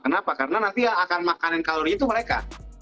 kenapa karena nanti yang akan makan kalori itu mereka